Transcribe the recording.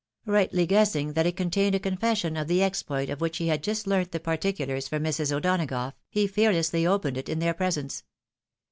Rightly guessing that it contained a confession of the exploit of which he had just learnt the parti culars from Mrs. O'Donagough, he fearlessly opened it in their presence.